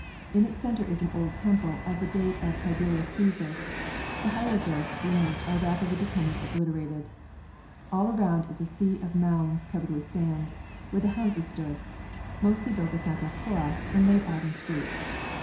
In its centre is an old temple of the date of Tiberius Cæsar, the hieroglyphs in which are rapidly becoming obliterated. All around is a sea of mounds covered with sand, where the houses stood, mostly built of madrepore, and laid out in streets.